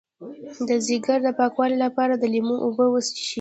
د ځیګر د پاکوالي لپاره د لیمو اوبه وڅښئ